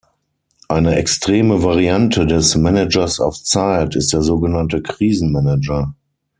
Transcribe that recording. Eine extreme Variante des „Managers auf Zeit“ ist der sogenannte Krisenmanager.